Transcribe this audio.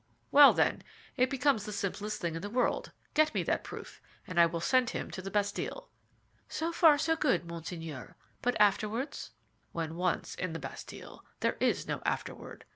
"Well, then, it becomes the simplest thing in the world; get me that proof, and I will send him to the Bastille." "So far good, monseigneur; but afterwards?" "When once in the Bastille, there is no afterward!"